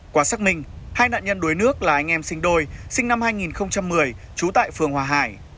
qua xác minh hai nạn nhân đuối nước là anh em sinh đôi sinh năm hai nghìn một mươi trú tại phường hòa hải